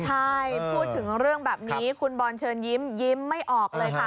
ใช่พูดถึงเรื่องแบบนี้คุณบอลเชิญยิ้มยิ้มไม่ออกเลยค่ะ